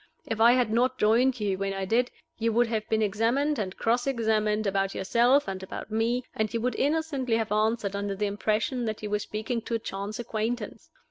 If I had not joined you when I did, you would have been examined and cross examined about yourself and about me, and you would innocently have answered under the impression that you were speaking to a chance acquaintance.